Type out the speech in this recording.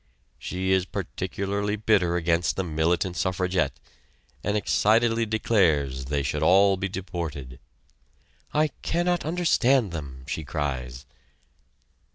She is particularly bitter against the militant suffragette, and excitedly declares they should all be deported. "I cannot understand them!" she cries.